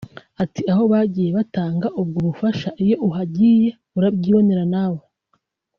Ati” Aho bagiye batanga ubwo bufasha iyo uhagiye urabyibonera nawe